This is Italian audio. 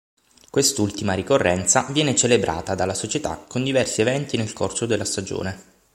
Quest'ultima ricorrenza viene celebrata dalla società con diversi eventi nel corso della stagione.